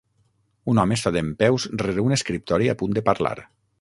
Un home està dempeus rere un escriptori a punt de parlar.